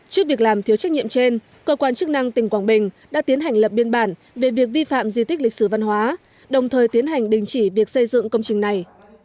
trước việc làm thiếu trách nhiệm trên cơ quan chức năng tỉnh quảng bình đã tiến hành lập biên bản về việc vi phạm di tích lịch sử văn hóa đồng thời tiến hành đình chỉ việc xây dựng công trình này